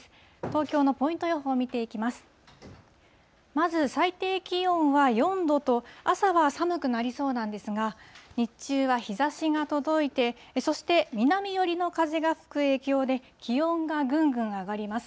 まず、最低気温は４度と、朝は寒くなりそうなんですが、日中は日ざしが届いて、そして南寄りの風が吹く影響で、気温がぐんぐん上がります。